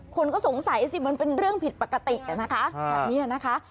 คนก็สงสัยสิว่ามันเป็นเรื่องผิดปกตินะคะ